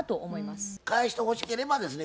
返してほしければですね